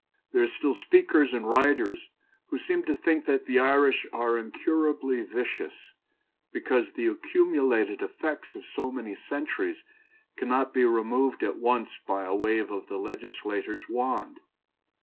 There are still speakers and writers who seem to think that the Irish are incurably vicious, because the accumulated effects of so many centuries cannot be removed at once by a wave of the legislator's wand.